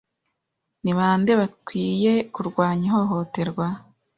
Ni ba nde bakwiye kurwanya ihohoterwa